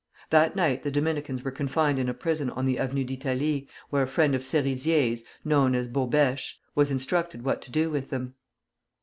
That night the Dominicans were confined in a prison on the Avenue d'Italie, where a friend of Serizier's (known as Bobêche) was instructed what to do with them.